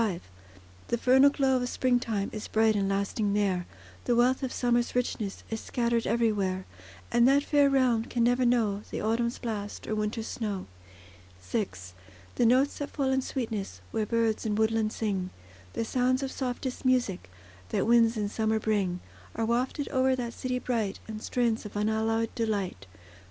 V The vernal glow of springtime Is bright and lasting there, The wealth of summer's richness Is scattered everywhere; And that fair realm can never know The autumn's blast or winter's snow. VI The notes that fall in sweetness, Where birds in woodland sing; The sounds of softest music, That winds in summer bring, Are wafted o'er that city bright, In strains of unalloyed delight.